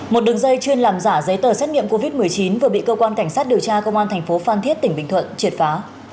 một đường dây chuyên làm giả giấy tờ xét nghiệm covid một mươi chín vừa bị cơ quan cảnh sát điều tra công an thành phố phan thiết tỉnh bình thuận triệt phá